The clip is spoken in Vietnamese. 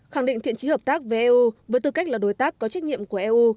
khẳng định thiện trí hợp tác với eu với tư cách là đối tác có trách nhiệm của eu